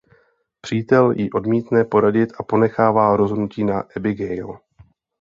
Přítel jí odmítne poradit a ponechává rozhodnutí na Abigail.